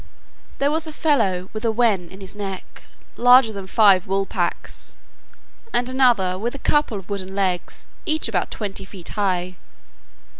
There was a fellow with a wen in his neck, larger than five wool packs; and another, with a couple of wooden legs, each about twenty feet high.